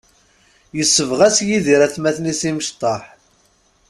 Yessebɣas Yidir atmaten-is imecṭaḥ.